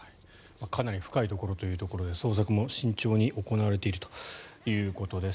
かなり深いところということで捜索も慎重に行われているということです。